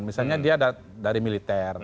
misalnya dia dari militer